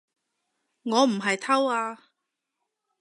我唔係偷啊